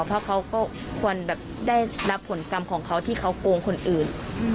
เพราะเขาก็ควรแบบได้รับผลกรรมของเขาที่เขาโกงคนอื่น